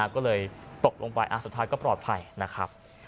ก็เลยตกลงไปสุดท้ายก็ปลอดภัยนะครับ